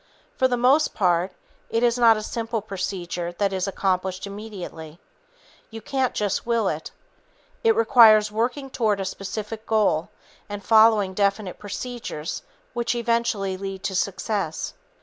For the most part, it is not a simple procedure that is accomplished immediately. You can't just will it. It requires working toward a specific goal and following definite procedures which eventually lead to success.